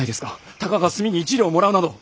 たかが炭に１両もらうなど。